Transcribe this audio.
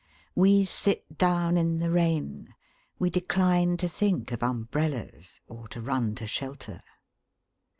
We sit down in the rain. We decline to think of umbrellas, or to run to shelter.